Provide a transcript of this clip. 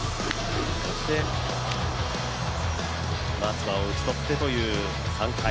そして松葉を打ち取ってという３回。